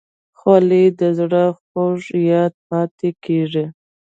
خولۍ د زړه خوږ یاد پاتې کېږي.